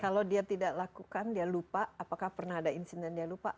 kalau dia tidak lakukan dia lupa apakah pernah ada insiden dia lupa